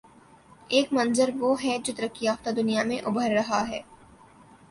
ایک منظروہ ہے جو ترقی یافتہ دنیا میں ابھر رہا ہے۔